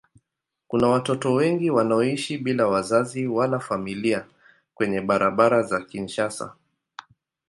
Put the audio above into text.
Kuna watoto wengi wanaoishi bila wazazi wala familia kwenye barabara za Kinshasa.